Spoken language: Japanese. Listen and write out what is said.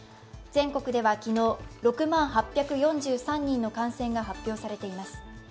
全国では昨日、６万８４３人の感染が発表されています。